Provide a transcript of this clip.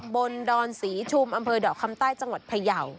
ดอนศรีชุมอำเภอดอกคำใต้จังหวัดพยาว